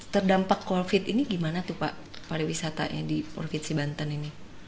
terdampak covid ini gimana tuh pak pariwisatanya di provinsi banten ini